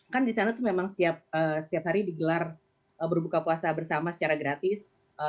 kan di sana itu memang setiap hari digelar berbuka puasa bersama secara gratis